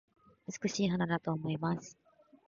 美しい花だと思います